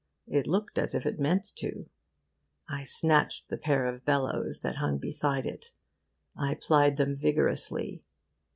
It looked as if it meant to. I snatched the pair of bellows that hung beside it. I plied them vigorously.